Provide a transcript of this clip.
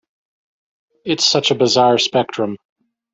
It's such a bizarre spectrum.